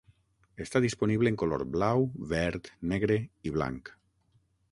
Està disponible en color blau, verd, negre i blanc.